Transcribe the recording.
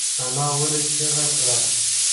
انا ولې چیغه کړه؟